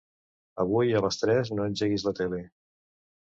Avui a les tres no engeguis la tele.